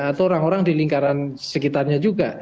atau orang orang di lingkaran sekitarnya juga